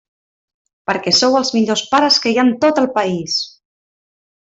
Perquè sou els millors pares que hi ha en tot el país!